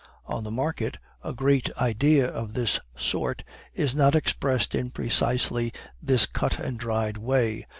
On the market, a great idea of this sort is not expressed in precisely this cut and dried way.